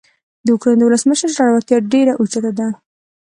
د اوکراین د ولسمشر زړورتیا ډیره اوچته ده.